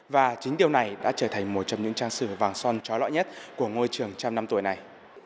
và chính điều này đã trở thành một trong những trang sử vàng son trói lõi nhất của ngôi trường trăm năm tuổi này